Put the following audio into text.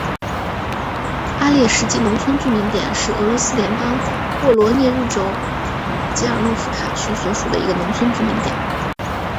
阿列什基农村居民点是俄罗斯联邦沃罗涅日州捷尔诺夫卡区所属的一个农村居民点。